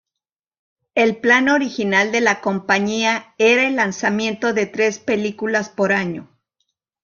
El plan original de la compañía era el lanzamiento de tres películas por año.